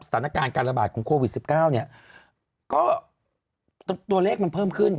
สถานการณ์การระบาดของโควิด๑๙เนี่ยก็ตัวเลขมันเพิ่มขึ้น